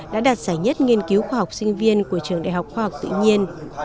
đã đạt giải nhất nghiên cứu khoa học sinh viên của trường đại học khoa học tự nhiên